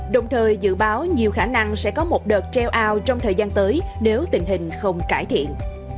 đồng thời dự báo nhiều khả năng sẽ có một đợt treo ao trong thời gian tới nếu tình hình không cải thiện